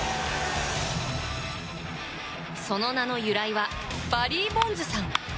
その名の由来はバリー・ボンズさん。